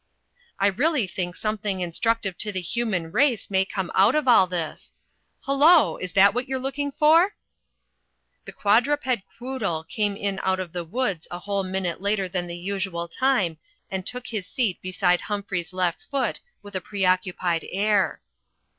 I really think something instructive to the human race may come out of all this ... Hullo! Is that what you were looking for?" The quadruped Quoodle came in out of the woods a whole minute later than the usual time and took his seat beside Humphrey's left foot with a preoccupied air.